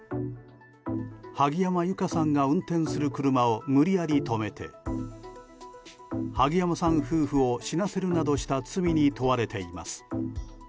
萩山友香さんが運転する車を無理やり止めて萩山さん夫婦を死なせるなどした罪に問われています。